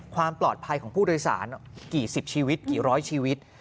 ความปลอดภัยของผู้โดยสารกี่สิบชีวิตกี่ร้อยชีวิต